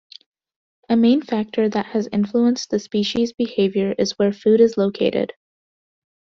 A main factor that has influenced the species' behavior is where food is located.